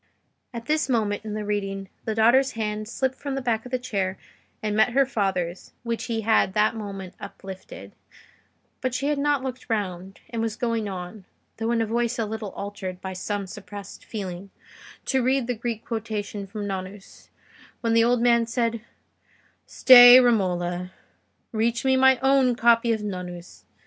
At this point in the reading, the daughter's hand slipped from the back of the chair and met her father's, which he had that moment uplifted; but she had not looked round, and was going on, though with a voice a little altered by some suppressed feeling, to read the Greek quotation from Nonnus, when the old man said— "Stay, Romola; reach me my own copy of Nonnus.